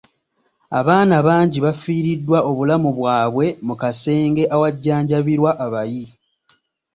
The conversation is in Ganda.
Abaana bangi bafiiriddwa obulamu bwabwe mu kasenge awajjanjabirwa abayi.